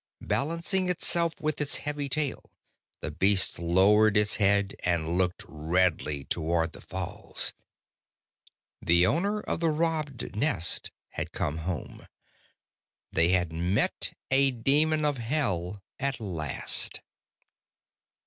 Balancing itself with its heavy tail, the beast lowered its head and looked redly toward the falls. The owner of the robbed nest had come home. They had met a demon of Hell at last.